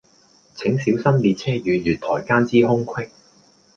請小心列車與月台間之空隙